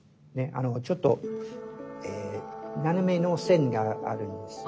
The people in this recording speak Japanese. ちょっと斜めの線があるんですね。